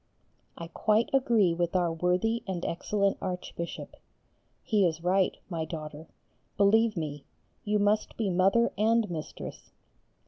I quite agree with our worthy and excellent Archbishop. He is right, my daughter, believe me, you must be Mother and Mistress.